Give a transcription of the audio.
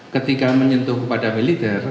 ketika menyentuh kepada militer